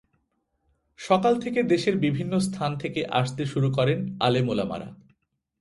সকাল থেকে দেশের বিভিন্ন স্থান থেকে আসতে শুরু করেন আলেম ওলামারা।